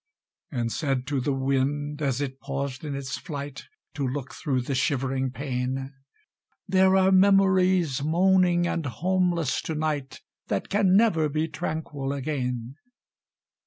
And said to the wind, as it paused in its flight To look through the shivering pane, "There are memories moaning and homeless to night That can never be tranquil again!"